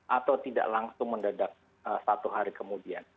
atau tidak langsung mendadak satu hari kemudian